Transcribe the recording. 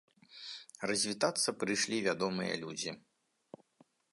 Развітацца прыйшлі вядомыя людзі.